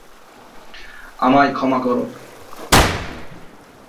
আমায় ক্ষমা কর।